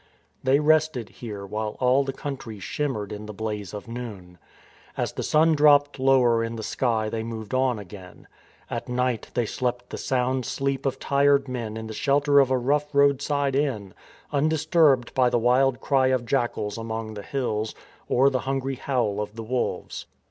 They rested here while all the country shimmered in the blaze of noon. As the sun dropped lower in the sky they moved on again. At night they slept the sound sleep of tired men in the shelter of a rough roadside inn, undisturbed by the wild cry of jackals among the hills, or the hungry howl of the wolves.